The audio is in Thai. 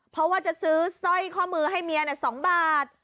เพราะว่าจะซื้อสร้อยข้อมือให้เมีย๒บาท